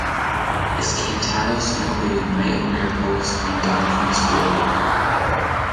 His cantatas include "Night of Miracles" and "Down From His Glory".